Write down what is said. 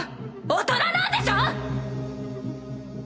大人なんでしょ！